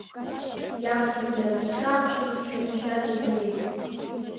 Иабхәнда днаԥшы-ааԥшын иаҳәшьа димбеит.